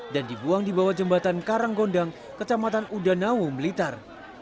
dan dibuang di bawah jembatan karanggondang kecamatan udanaum blitar